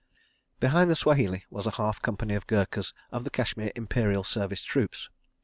... Behind the Swahili was a half company of Gurkhas of the Kashmir Imperial Service Troops.